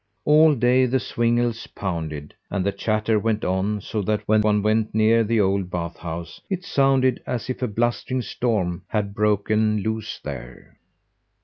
All day the swingles pounded, and the chatter went on, so that when one went near the old bath house it sounded as if a blustering storm had broken loose there.